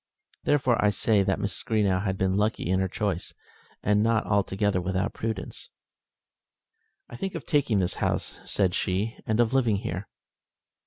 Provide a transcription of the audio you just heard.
Therefore, I say that Mrs. Greenow had been lucky in her choice, and not altogether without prudence. "I think of taking this house," said she, "and of living here."